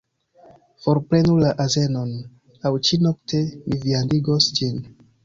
"Forprenu la azenon, aŭ ĉi-nokte mi viandigos ĝin."